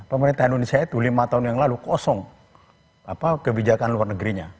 pemerintah indonesia itu lima tahun yang lalu kosong kebijakan luar negerinya